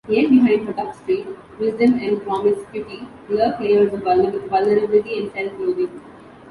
Yet behind her tough street-wisdom and promiscuity, lurk layers of vulnerability and self-loathing.